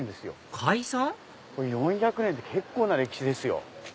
開村⁉４００年って結構な歴史ですよ。